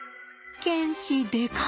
犬歯でか！